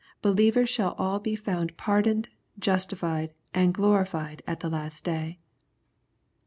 Believers shall all hq foun^ pardoned, justified, and glorified a,{ the Ic^st day.